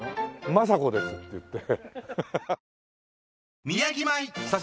「政子です」って言って。